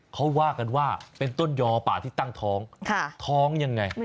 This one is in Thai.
เขาว่ากันว่าเป็นต้นยอป่าที่ตั้งท้องท้องยังไง